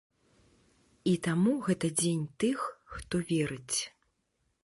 І таму гэта дзень тых, хто верыць.